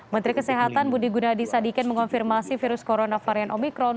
menteri kesehatan budi gunadi sadikin mengonfirmasi virus corona varian omicron